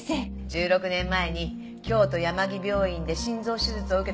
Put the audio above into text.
１６年前に京都山木病院で心臓手術を受けた患者。